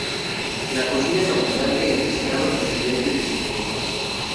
La cocina es abundante en pescado procedente de sus costas.